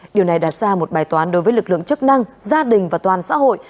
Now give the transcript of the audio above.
điều này đặt ra một bài toán đối với lực lượng chức năng gia đình và toàn xã hội